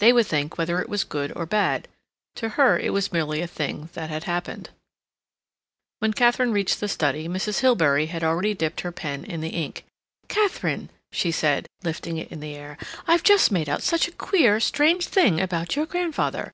They would think whether it was good or bad; to her it was merely a thing that had happened. When Katharine reached the study, Mrs. Hilbery had already dipped her pen in the ink. "Katharine," she said, lifting it in the air, "I've just made out such a queer, strange thing about your grandfather.